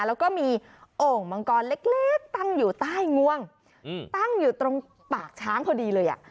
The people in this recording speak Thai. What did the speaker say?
แล้วก็มีโอ่งมังกรเล็กตั้งอยู่ใต้งวงตั้งอยู่ตรงปากช้างพอดีเลยอ่ะ